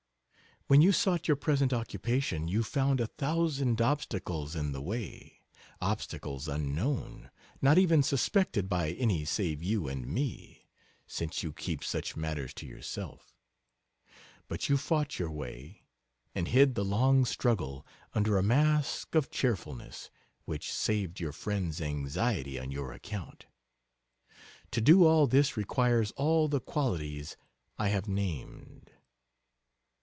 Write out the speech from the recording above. When you sought your present occupation you found a thousand obstacles in the way obstacles unknown not even suspected by any save you and me, since you keep such matters to yourself but you fought your way, and hid the long struggle under a mask of cheerfulness, which saved your friends anxiety on your account. To do all this requires all the qualities I have named.